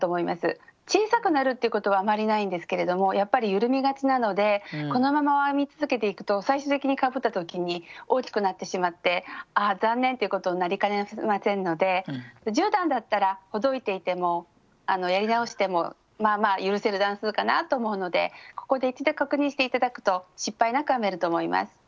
小さくなるっていうことはあまりないんですけれどもやっぱり緩みがちなのでこのまま編み続けていくと最終的にかぶった時に大きくなってしまってああ残念っていうことになりかねませんので１０段だったらほどいていてもやり直してもまあまあ許せる段数かなと思うのでここで一度確認して頂くと失敗なく編めると思います。